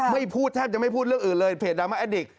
พูดแทบจะไม่พูดเรื่องอื่นเลยเพจดราม่าแอดดิก